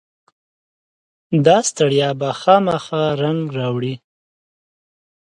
داستړیا به خامخا رنګ راوړي.